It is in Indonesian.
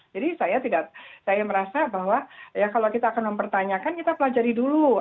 jadi saya tidak saya merasa bahwa kalau kita akan mempertanyakan kita pelajari dulu